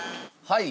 はい。